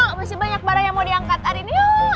yuk masih banyak barang yang mau diangkat arin yuk